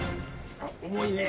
重いね。